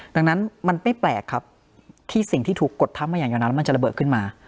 ดังนั้นมันไม่แปลกครับที่สิ่งที่ถูกกดทับมาอย่างยาวนานแล้วมันจะระเบิดขึ้นมา